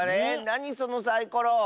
なにそのサイコロ？